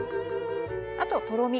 あととろみ。